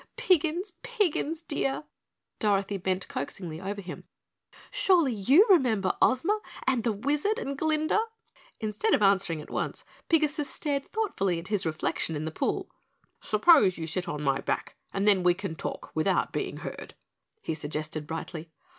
Piggins, Piggins, dear " Dorothy bent coaxingly over him "surely you remember Ozma and the Wizard and Glinda." Instead of answering at once, Pigasus stared thoughtfully at his reflection in the pool. "Suppose you sit on my back and then we can talk without being heard," he suggested brightly.